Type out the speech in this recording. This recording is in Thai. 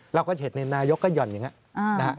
เราก็เห็นนายกก็หย่อนอย่างนี้นะฮะ